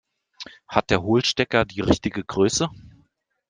Hat der Hohlstecker die richtige Größe?